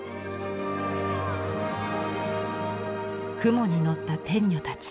雲に乗った天女たち。